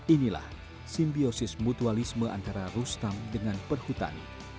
inilah simbiosis mutualisme antara rustam dengan perhutani